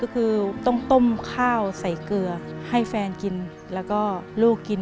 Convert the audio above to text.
รายการต่อไปนี้เป็นรายการทั่วไปสามารถรับชมได้ทุกวัย